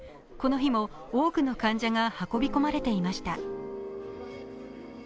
この日も多くの患者が運び込まれていました。